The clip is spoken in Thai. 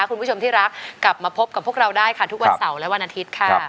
คุณผู้ชมที่รักกลับมาพบกับพวกเราได้ค่ะทุกวันเสาร์และวันอาทิตย์ค่ะ